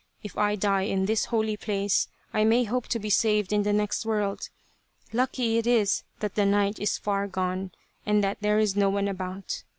If I die in this holy place, I may hope to be saved in the next world. Lucky it is that the night is far gone, and that there is no one about